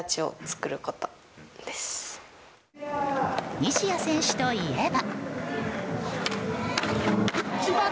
西矢選手といえば。